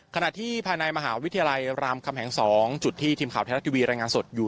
ขณะที่ภายในมหาวิทยาลัยรามคำแหง๒จุดที่ทีมข่าวไทยรัฐทีวีรายงานสดอยู่